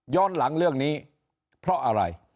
หลังเรื่องนี้เพราะอะไร